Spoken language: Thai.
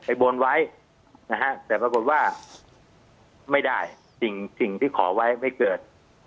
บนไว้นะฮะแต่ปรากฏว่าไม่ได้สิ่งที่ขอไว้ไม่เกิด